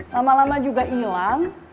lama lama juga ilang